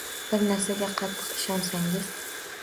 Bir narsaga qattiq ishonsangiz